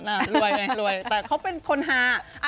อ่ะรวยแม่รวยแต่เขาเป็นคนหา